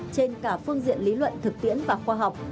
trên cả phương diện lý luận thực tiễn và khoa học